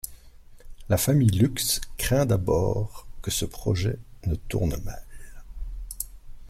La famille Lux craint d'abord que ce projet ne tourne mal.